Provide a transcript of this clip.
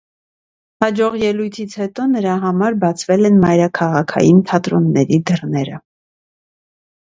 Հաջող ելույթից հետո նրա համար բացվել են մայրաքաղաքային թատրոնների դռները։